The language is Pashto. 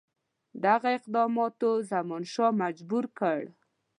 دغه اقداماتو زمانشاه مجبور کړ.